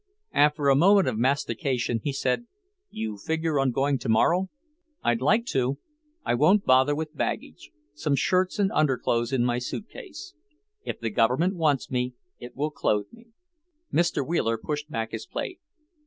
After a moment of mastication he said, "You figure on going tomorrow?" "I'd like to. I won't bother with baggage some shirts and underclothes in my suitcase. If the Government wants me, it will clothe me." Mr. Wheeler pushed back his plate.